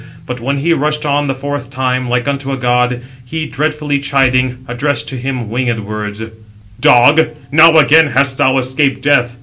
But when he rushed on the fourth time, like unto a god, he, dreadfully chiding, addressed to him winged words: "Dog, now again hast thou escaped death.